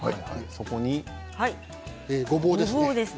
そこに、ごぼうです。